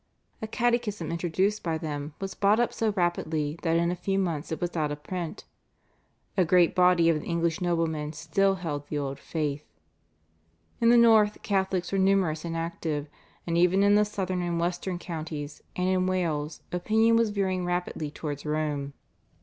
A catechism introduced by them was bought up so rapidly that in a few months it was out of print. A great body of the English noblemen still held the old faith. In the north Catholics were numerous and active, and even in the southern and western counties and in Wales opinion was veering rapidly towards Rome.